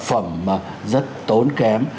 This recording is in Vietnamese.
phẩm rất tốn kém